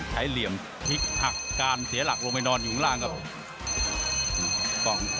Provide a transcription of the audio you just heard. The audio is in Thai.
เหลี่ยมพลิกหักการเสียหลักลงไปนอนอยู่ข้างล่างครับ